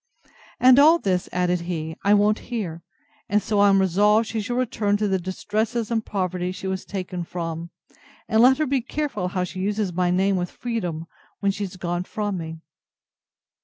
—And all this, added he, I won't hear; and so I am resolved she shall return to the distresses and poverty she was taken from; and let her be careful how she uses my name with freedom, when she is gone from me.